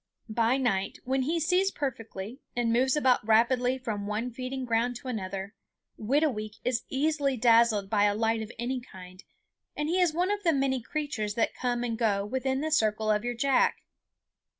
By night, when he sees perfectly and moves about rapidly from one feeding ground to another, Whitooweek is easily dazzled by a light of any kind, and he is one of the many creatures that come and go within the circle of your jack.